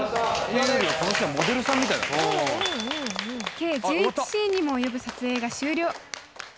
計１１シーンにもおよぶ撮影が終了